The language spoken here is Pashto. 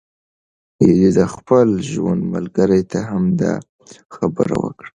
ایلي د خپل ژوند ملګری ته همدا خبره وکړه.